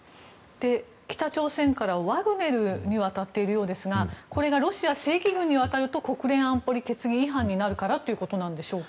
北朝鮮から、ワグネルに渡っているようですがこれがロシア正規軍に渡ると国連安保理決議違反になるからということでしょうか。